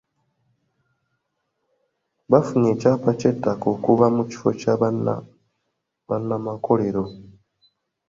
Baafunye ekyapa ky'ettaka okuva mu kifo kya bannamakorero.